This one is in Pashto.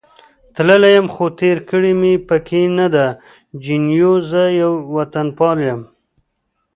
تللی یم، خو تېر کړې مې پکې نه ده، جینو: زه یو وطنپال یم.